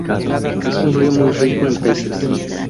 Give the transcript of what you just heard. Es un río muy rico en peces.